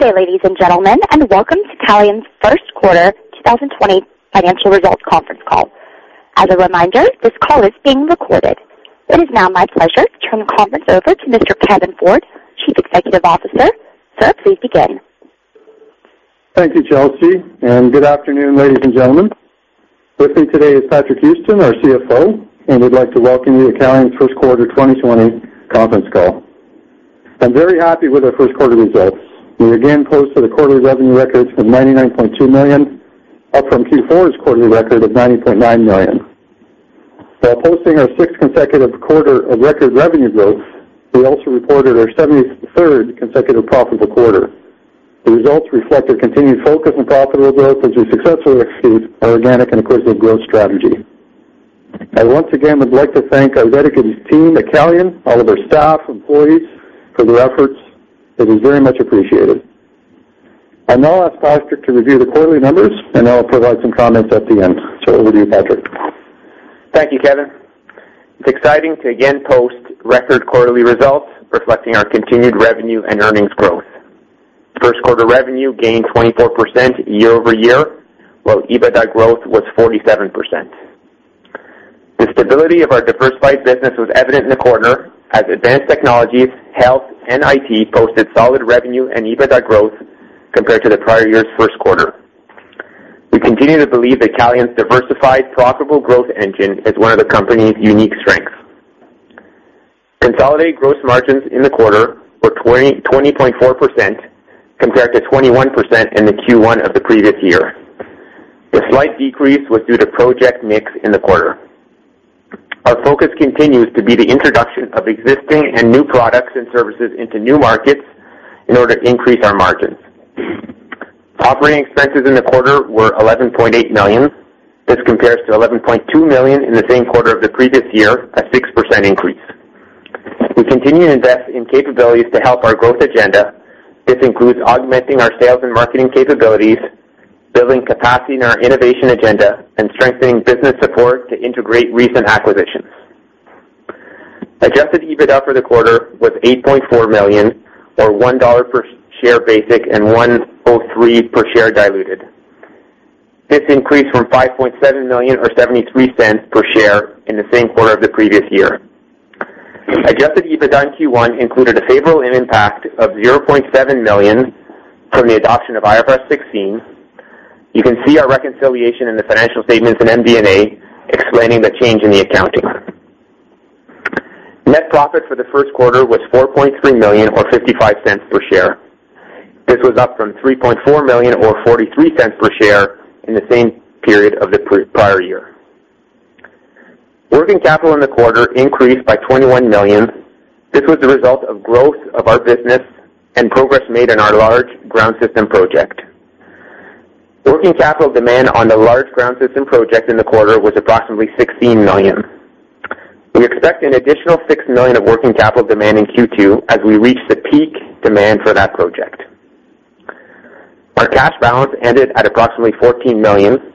Good day, ladies and gentlemen, and welcome to Calian's first quarter 2020 financial results conference call. As a reminder, this call is being recorded. It is now my pleasure to turn the conference over to Mr. Kevin Ford, Chief Executive Officer. Sir, please begin. Thank you, Chelsea. Good afternoon, ladies and gentlemen. With me today is Patrick Houston, our CFO, and we'd like to welcome you to Calian's first quarter 2020 conference call. I'm very happy with our first quarter results. We again posted a quarterly revenue record of 99.2 million, up from Q4's quarterly record of 90.9 million. While posting our sixth consecutive quarter of record revenue growth, we also reported our 73rd consecutive profitable quarter. The results reflect a continued focus on profitable growth as we successfully execute our organic and acquisitive growth strategy. I once again would like to thank our dedicated team at Calian, all of our staff, employees, for their efforts. It is very much appreciated. I'll now ask Patrick to review the quarterly numbers, and then I'll provide some comments at the end. Over to you, Patrick. Thank you, Kevin. It's exciting to again post record quarterly results reflecting our continued revenue and earnings growth. First quarter revenue gained 24% year-over-year, while EBITDA growth was 47%. The stability of our diversified business was evident in the quarter as Advanced Technologies, Health, and IT posted solid revenue and EBITDA growth compared to the prior year's first quarter. We continue to believe that Calian's diversified, profitable growth engine is one of the company's unique strengths. Consolidated gross margins in the quarter were 20.4%, compared to 21% in the Q1 of the previous year. The slight decrease was due to project mix in the quarter. Our focus continues to be the introduction of existing and new products and services into new markets in order to increase our margins. Operating expenses in the quarter were 11.8 million. This compares to 11.2 million in the same quarter of the previous year, a 6% increase. We continue to invest in capabilities to help our growth agenda. This includes augmenting our sales and marketing capabilities, building capacity in our innovation agenda, and strengthening business support to integrate recent acquisitions. Adjusted EBITDA for the quarter was 8.4 million, or 1 dollar per share basic and 1.03 per share diluted. This increased from 5.7 million or 0.73 per share in the same quarter of the previous year. Adjusted EBITDA in Q1 included a favorable impact of 0.7 million from the adoption of IFRS 16. You can see our reconciliation in the financial statements in MD&A explaining the change in the accounting. Net profit for the first quarter was 4.3 million or 0.55 per share. This was up from 3.4 million, or 0.43 per share in the same period of the prior year. Working capital in the quarter increased by 21 million. This was the result of growth of our business and progress made in our large ground system project. Working capital demand on the large ground system project in the quarter was approximately 16 million. We expect an additional 6 million of working capital demand in Q2 as we reach the peak demand for that project. Our cash balance ended at approximately 14 million,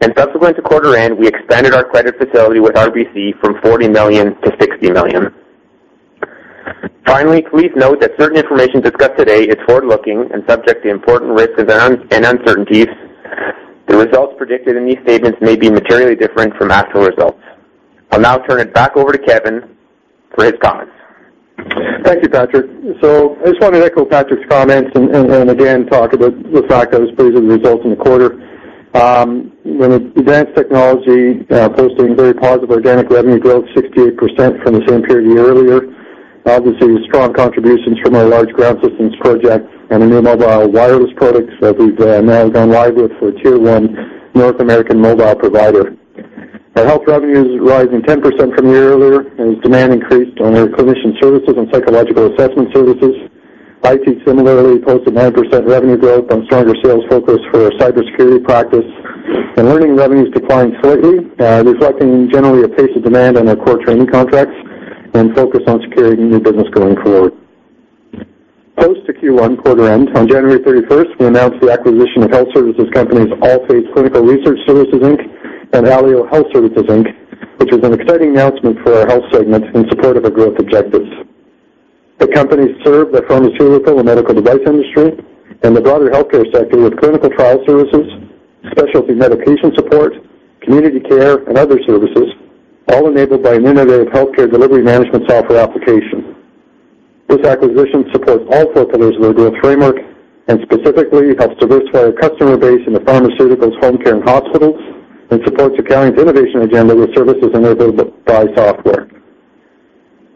and subsequent to quarter end, we expanded our credit facility with RBC from 40 million-60 million. Finally, please note that certain information discussed today is forward-looking and subject to important risks and uncertainties. The results predicted in these statements may be materially different from actual results. I'll now turn it back over to Kevin for his comments. Thank you, Patrick. I just wanted to echo Patrick's comments and again, talk about the fact I was pleased with the results in the quarter. With Advanced Technologies posting very positive organic revenue growth, 68% from the same period a year earlier. Obviously, strong contributions from our large ground systems project and the new mobile wireless products that I've now gone live with for Tier 1 North American mobile provider. Our Health revenues rising 10% from a year earlier, and demand increased on our clinician services and psychological assessment services. IT similarly posted 9% revenue growth on stronger sales focus for our cybersecurity practice. Learning revenues declined slightly, reflecting generally a pace of demand on our core training contracts and focus on securing new business going forward. Post to Q1 quarter end, on January 31st, we announced the acquisition of health services companies Allphase Clinical Research Services Inc. Alio Health Services Inc., which is an exciting announcement for our Health segment in support of our growth objectives. The companies serve the pharmaceutical and medical device industry and the broader healthcare sector with clinical trial services, specialty medication support, community care, and other services, all enabled by an innovative healthcare delivery management software application. This acquisition supports all four pillars of our growth framework and specifically helps diversify our customer base into pharmaceuticals, home care, and hospitals, and supports accounting innovation agenda with services enabled by software.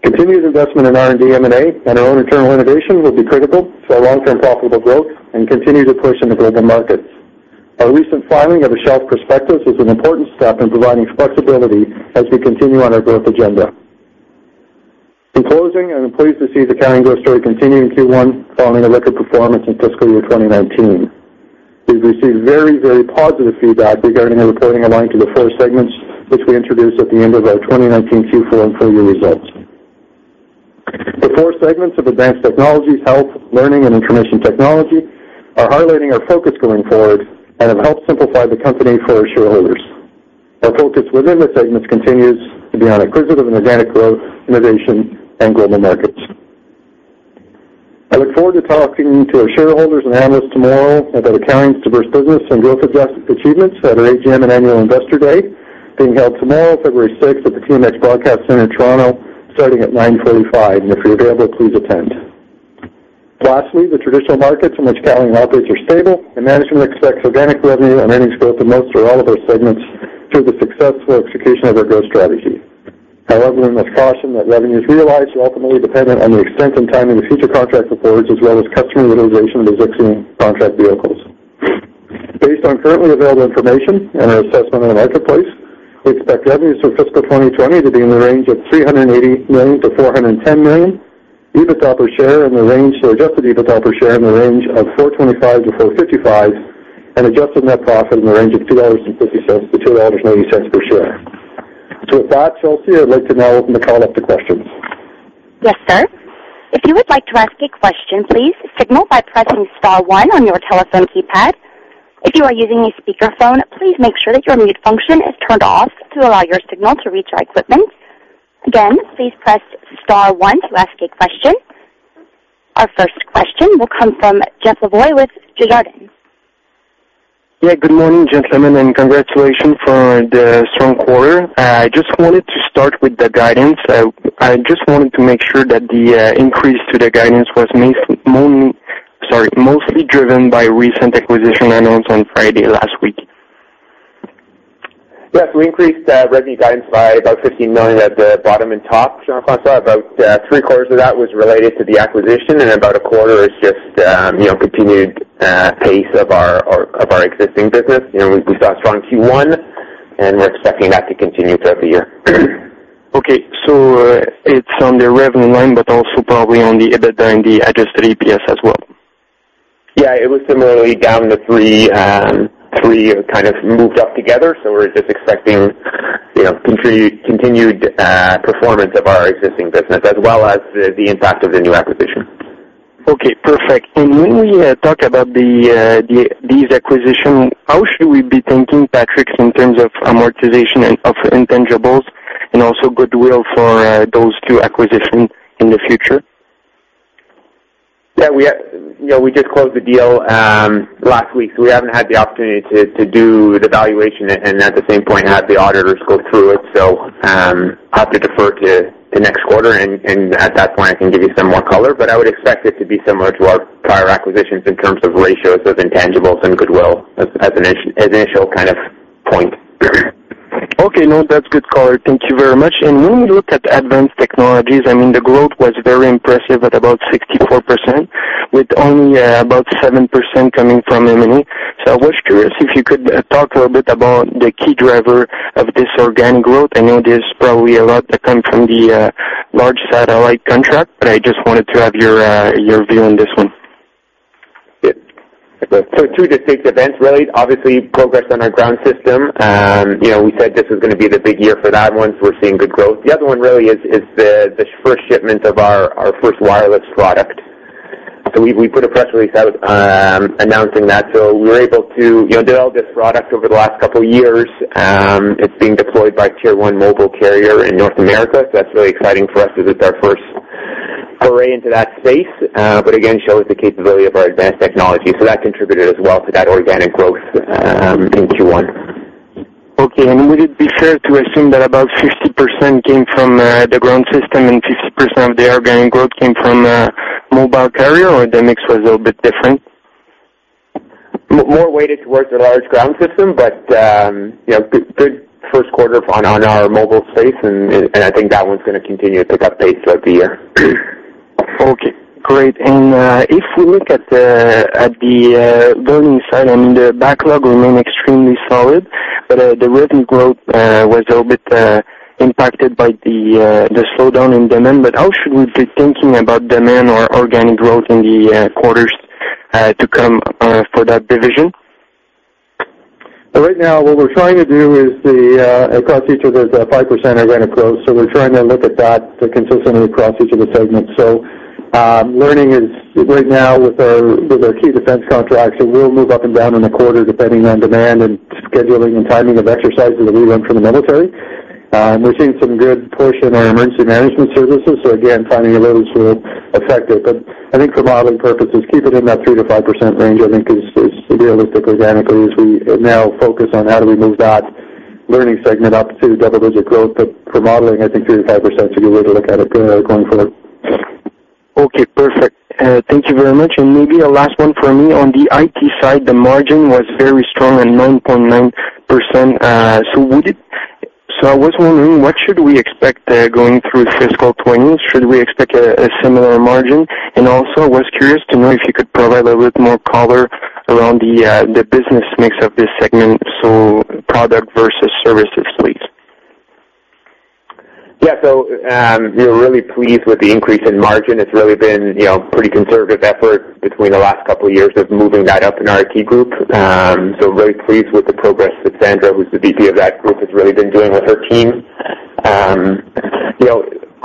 Continued investment in R&D, M&A, and our own internal innovation will be critical to our long-term profitable growth and continue to push into global markets. Our recent filing of a shelf prospectus is an important step in providing flexibility as we continue on our growth agenda. In closing, I'm pleased to see the Calian growth story continue in Q1 following a record performance in fiscal year 2019. We've received very positive feedback regarding our reporting aligned to the four segments which we introduced at the end of our 2019 Q4 and full-year results. The four segments of Advanced Technologies, Health, Learning, and Information Technology are highlighting our focus going forward and have helped simplify the company for our shareholders. Our focus within the segments continues to be on acquisitive and organic growth, innovation and global markets. I look forward to talking to our shareholders and analysts tomorrow about Calian's diverse business and growth objectives achievements at our AGM and Annual Investor Day being held tomorrow, February 6th, at the TMX Broadcast Centre, Toronto, starting at 9:45. If you're available, please attend. Lastly, the traditional markets in which Calian operates are stable, and management expects organic revenue and earnings growth in most or all of our segments through the successful execution of our growth strategy. However, we must caution that revenues realized are ultimately dependent on the extent and timing of future contract awards, as well as customer utilization of existing contract vehicles. Based on currently available information and our assessment of the marketplace, we expect revenues for fiscal 2020 to be in the range of 380 million-410 million, EBITDA per share or adjusted EBITDA per share in the range of 4.25-4.55, and adjusted net profit in the range of 2.50-2.80 dollars per share. With that, Chelsea, I'd like to now open the call up to questions. Yes, sir. If you would like to ask a question, please signal by pressing star one on your telephone keypad. If you are using a speakerphone, please make sure that your mute function is turned off to allow your signal to reach our equipment. Again, please press star one to ask a question. Our first question will come from Benoit Poirier with Desjardins. Yeah. Good morning, gentlemen, and congratulations for the strong quarter. I just wanted to start with the guidance. I just wanted to make sure that the increase to the guidance was, sorry, mostly driven by recent acquisition announced on Friday last week. Yes, we increased revenue guidance by about 15 million at the bottom and top, Jean-Francois. About three-quarters of that was related to the acquisition, about a quarter is just continued pace of our existing business. We've got a strong Q1, we're expecting that to continue throughout the year. Okay. It's on the revenue line, but also probably on the EBITDA and the adjusted EPS as well. Yeah, it was similarly down the three kind of moved up together. We're just expecting continued performance of our existing business as well as the impact of the new acquisition. Okay, perfect. When we talk about these acquisitions, how should we be thinking, Patrick, in terms of amortization of intangibles and also goodwill for those two acquisitions in the future? Yeah, we just closed the deal last week, we haven't had the opportunity to do the valuation and at the same point, have the auditors go through it. I'll have to defer to the next quarter, and at that point, I can give you some more color. I would expect it to be similar to our prior acquisitions in terms of ratios of intangibles and goodwill as an initial kind of point. Okay. No, that's good color. Thank you very much. When we look at Advanced Technologies, the growth was very impressive at about 64%, with only about 7% coming from M&A. I was curious if you could talk a little bit about the key driver of this organic growth. I know there's probably a lot that come from the large satellite contract, but I just wanted to have your view on this one. Two distinct events really. Obviously, progress on our ground system. We said this was going to be the big year for that one. We're seeing good growth. The other one really is the first shipment of our first wireless product. We put a press release out announcing that. We were able to develop this product over the last couple of years. It's being deployed by a Tier 1 mobile carrier in North America. That's really exciting for us as it's our first foray into that space. Again, shows the capability of our Advanced Technologies. That contributed as well to that organic growth in Q1. Okay. Would it be fair to assume that about 50% came from the ground system and 50% of the organic growth came from mobile carrier, or the mix was a little bit different? More weighted towards the large ground system, but good first quarter on our mobile space, and I think that one's going to continue to pick up pace throughout the year. Okay, great. If we look at the Learning side, the backlog remained extremely solid, the revenue growth was a little bit impacted by the slowdown in demand. How should we be thinking about demand or organic growth in the quarters to come for that division? Right now, what we're trying to do is across each of those 5% organic growth. We're trying to look at that consistently across each of the segments. Learning is right now with our key defense contracts. We'll move up and down in the quarter depending on demand and scheduling and timing of exercises that we run for the military. We're seeing some good push in our emergency management services. Again, finding a little sort of effective, but I think for modeling purposes, keep it in that 3%-5% range, I think is realistic organically as we now focus on how do we move that Learning segment up to double-digit growth. For modeling, I think 3%-5% is a good way to look at it going forward. Okay, perfect. Thank you very much. Maybe a last one for me. On the IT side, the margin was very strong at 9.9%. I was wondering, what should we expect there going through fiscal 2020? Should we expect a similar margin? Also, I was curious to know if you could provide a little bit more color around the business mix of this segment. Product versus services, please. We're really pleased with the increase in margin. It's really been pretty conservative effort between the last couple of years of moving that up in our IT group. Very pleased with the progress that Sandra, who's the VP of that group, has really been doing with her team.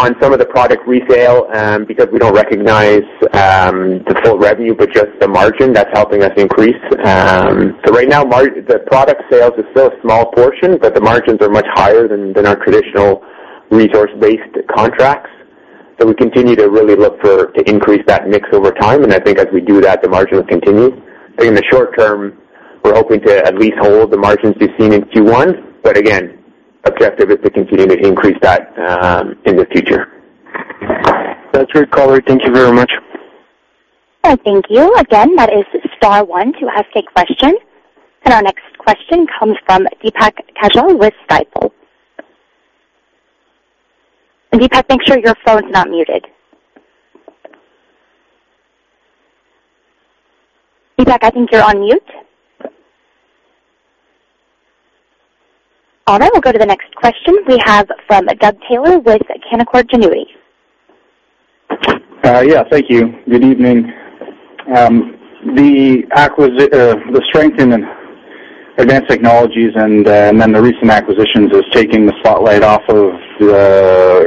On some of the product resale, because we don't recognize the full revenue but just the margin, that's helping us increase. Right now, the product sales is still a small portion, but the margins are much higher than our traditional resource-based contracts. We continue to really look to increase that mix over time, I think as we do that, the margins continue. In the short-term, we're hoping to at least hold the margins we've seen in Q1. Again, objective is to continue to increase that in the future. That's great, Patrick. Thank you very much. Thank you. Again, that is star one to ask a question. Our next question comes from Deepak Kaushal with Stifel. Deepak, make sure your phone's not muted. Deepak, I think you're on mute. All right, we'll go to the next question we have from Doug Taylor with Canaccord Genuity. Yeah, thank you. Good evening. The strength in Advanced Technologies and then the recent acquisitions is taking the spotlight off of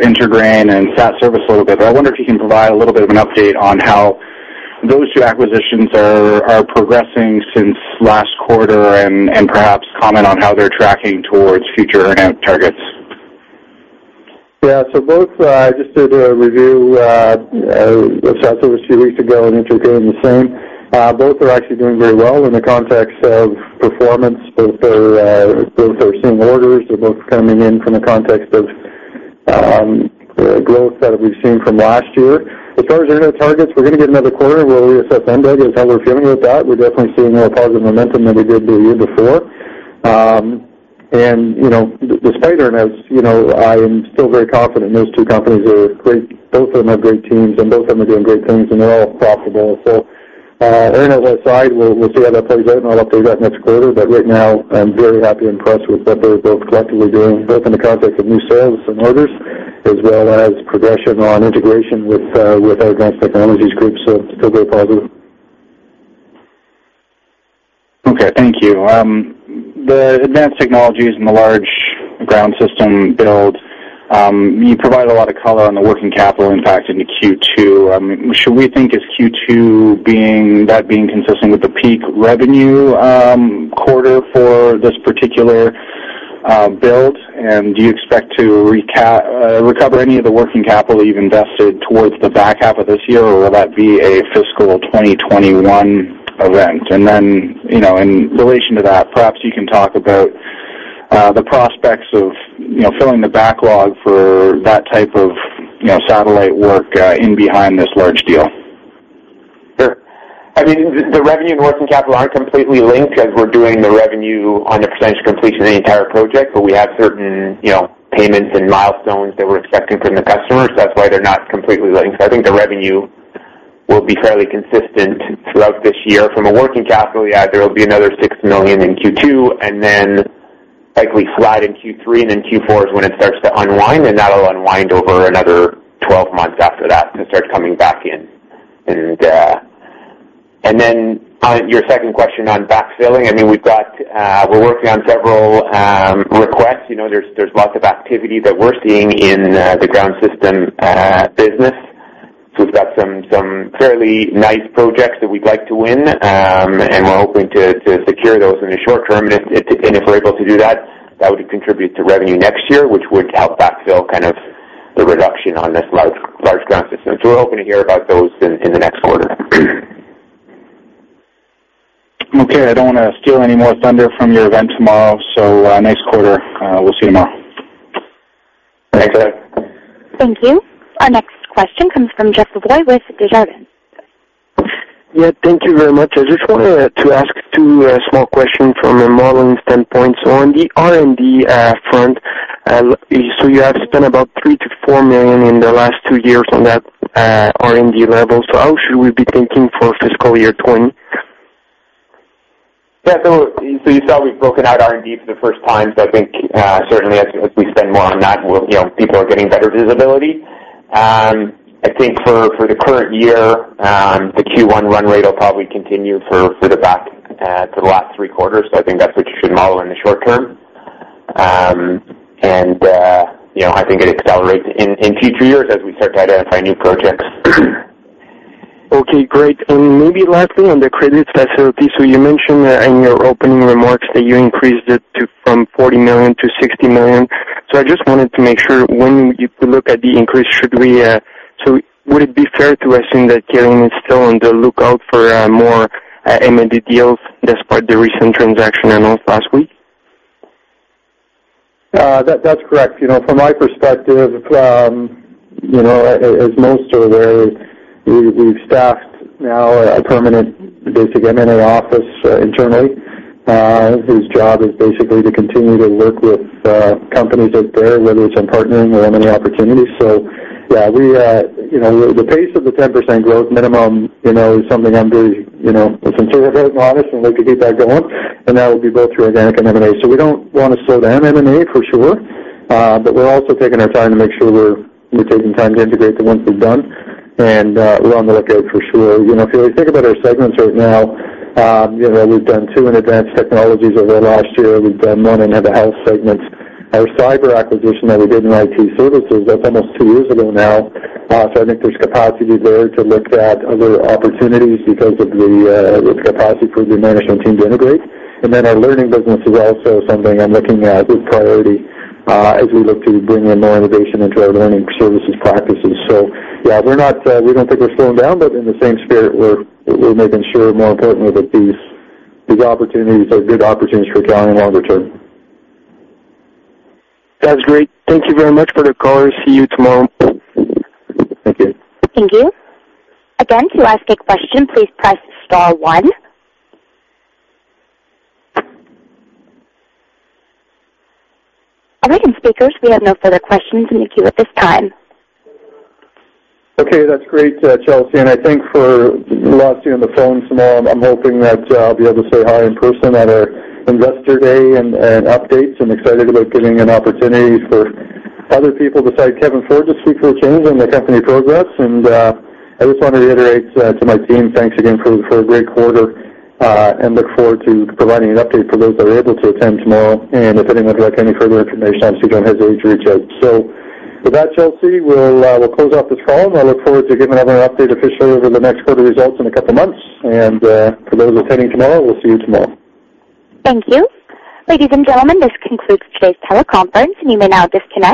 IntraGrain and SatService a little bit. I wonder if you can provide a little bit of an update on how those two acquisitions are progressing since last quarter and perhaps comment on how they're tracking towards future earn-out targets. Both just did a review with SatService a few weeks ago and IntraGrain the same. Both are actually doing very well in the context of performance. Both are seeing orders. They're both coming in from the context of growth that we've seen from last year. As far as earn-out targets, we're going to get another quarter where we assess them, Doug, and how we're feeling about that. We're definitely seeing more positive momentum than we did the year before. Despite earn-outs, I am still very confident in those two companies. Both of them have great teams, and both of them are doing great things, and they're all profitable. Earn-outs aside, we'll see how that plays out, and I'll update that next quarter. Right now, I'm very happy and impressed with what they're both collectively doing, both in the context of new sales and orders, as well as progression on integration with Advanced Technologies group. Still very positive. Okay. Thank you. The Advanced Technologies and the large ground system build, you provided a lot of color on the working capital impact into Q2. Should we think as Q2, that being consistent with the peak revenue quarter for this particular build? Do you expect to recover any of the working capital you've invested towards the back half of this year, or will that be a fiscal 2021 event? In relation to that, perhaps you can talk about the prospects of filling the backlog for that type of satellite work in behind this large deal. Sure. The revenue and working capital aren't completely linked as we're doing the revenue on the percentage of completion of the entire project, but we have certain payments and milestones that we're expecting from the customer. That's why they're not completely linked. I think the revenue will be fairly consistent throughout this year. From a working capital, yeah, there'll be another 6 million in Q2. Then likely slide in Q3. Then Q4 is when it starts to unwind. That'll unwind over another 12 months after that and start coming back in. Then on your second question on backfilling, we're working on several requests. There's lots of activity that we're seeing in the ground system business. We've got some fairly nice projects that we'd like to win. We're hoping to secure those in the short-term. If we're able to do that would contribute to revenue next year, which would help backfill kind of the reduction on this large ground system. We're hoping to hear about those in the next quarter. Okay. I don't want to steal any more thunder from your event tomorrow. Next quarter. We'll see you tomorrow. Thanks, Doug. Thank you. Our next question comes from Jeff Blay with Desjardins. Yeah, thank you very much. I just wanted to ask two small questions from a modeling standpoint. On the R&D front, you have spent about 3 million-4 million in the last two years on that R&D level. How should we be thinking for fiscal year 2020? Yeah. You saw we've broken out R&D for the first time. I think certainly as we spend more on that, people are getting better visibility. I think for the current year, the Q1 run rate will probably continue for the last three quarters. I think that's what you should model in the short-term. I think it accelerates in future years as we start to identify new projects. Okay, great. Maybe lastly, on the credit facility, you mentioned in your opening remarks that you increased it from 40 million-60 million. I just wanted to make sure when you look at the increase, would it be fair to assume that Calian is still on the lookout for more M&A deals despite the recent transaction announced last week? That's correct. From my perspective, as most are aware, we've staffed now a permanent, basically, M&A office internally, whose job is basically to continue to work with companies out there, whether it's in partnering or M&A opportunities. Yeah, the pace of the 10% growth minimum is something I'm very conservative and modest, and look to keep that going, and that'll be both through organic and M&A. We don't want to slow down M&A, for sure. We're also taking our time to make sure we're taking time to integrate the ones we've done, and we're on the lookout for sure. If you think about our segments right now, we've done two in Advanced Technologies over the last year. We've done one in the Health segments. Our cyber acquisition that we did in Information Technology, that's almost two years ago now. I think there's capacity there to look at other opportunities because of the capacity for the management team to integrate. Our Learning business is also something I'm looking at with priority as we look to bring in more innovation into our learning services practices. Yeah, we don't think we're slowing down, but in the same spirit, we're making sure, more importantly, that these opportunities are good opportunities for Calian longer-term. That's great. Thank you very much for the call. See you tomorrow. Thank you. Thank you. Again, to ask a question, please press star one. All right, speakers, we have no further questions in the queue at this time. Okay, that's great, Chelsea, I thank for lots of you on the phone tonight. I'm hoping that I'll be able to say hi in person at our Investor Day and updates. I'm excited about getting an opportunity for other people besides Kevin Ford to speak for a change on the company progress. I just want to reiterate to my team, thanks again for a great quarter, and look forward to providing an update for those that are able to attend tomorrow. If anyone would like any further information, obviously, don't hesitate to reach out. With that, Chelsea, we'll close off this call, and I look forward to giving another update officially over the next quarter results in a couple of months. For those attending tomorrow, we'll see you tomorrow. Thank you. Ladies and gentlemen, this concludes today's teleconference, and you may now disconnect.